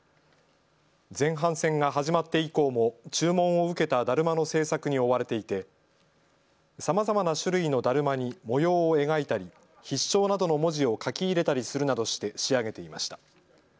前半戦が始まって以降も注文を受けただるまの製作に追われていてさまざまな種類のだるまに模様を描いたり必勝などの文字を書き入れたりするなどして仕上げていました。